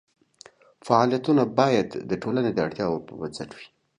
فعالیتونه باید د ټولنې د اړتیاوو پر بنسټ وي.